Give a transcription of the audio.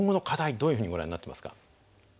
どういうふうにご覧になってますか。